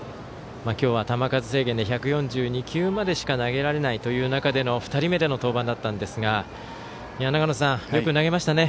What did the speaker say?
今日は球数制限で１４２球までしか投げられないという中での２人目の登板だったんですが長野さん、よく投げましたね。